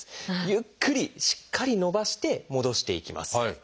ゆっくりしっかり伸ばして戻していきます。